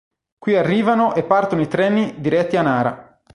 Qui arrivano e partono i treni diretti a Nara.